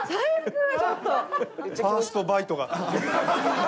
ファーストバイトが。